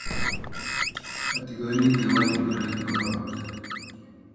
atikoni kewal ngoroik korok.